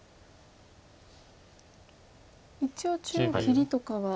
一応中央切りとかは。